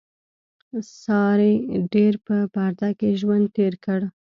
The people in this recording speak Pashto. سارې ډېر په پرده کې ژوند تېر کړ.